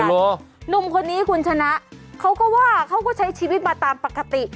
หนุ่มคนนี้คุณชนะเขาก็ว่าเขาก็ใช้ชีวิตมาตามปกติ